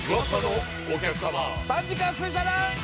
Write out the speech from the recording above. ３時間スペシャル！